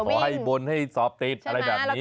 ให้บนให้สอบติดอะไรแบบนี้